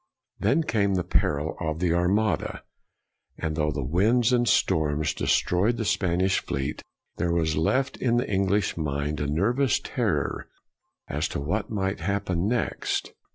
1 Then came the peril of the Armada, and though the winds and storms destroyed the Spanish fleet, there was left in* the English mind a nervous terror as to what might happen next.